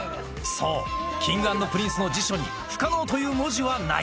そう、Ｋｉｎｇ＆Ｐｒｉｎｃｅの辞書に、不可能という文字はない。